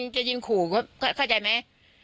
จะยิงขู่เข้าใจมั้ย